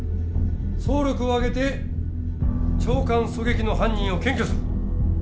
総力を挙げて長官狙撃の犯人を検挙する。